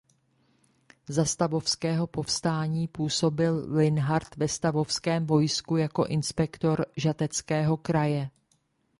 Za stavovského povstání působil Linhart ve stavovském vojsku jako inspektor žateckého kraje.